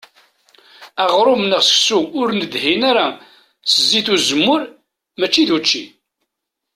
Aɣrum neɣ seksu ur nedhin ara s zzit n uzemmur mačči d učči.